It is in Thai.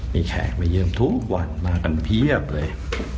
มีแขกมาเยี่ยมทุกวันมากันเพียบเลย